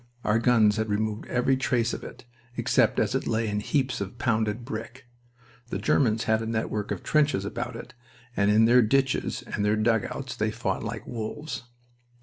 Our guns has removed every trace of it, except as it lay in heaps of pounded brick. The Germans had a network of trenches about it, and in their ditches and their dugouts they fought like wolves.